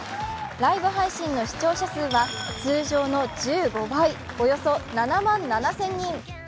ライブ配信の視聴者数は通常の１５倍、およそ７万７０００人。